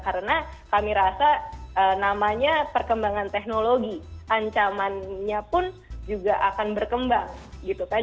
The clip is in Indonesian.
karena kami rasa namanya perkembangan teknologi ancamannya pun juga akan berkembang gitu kan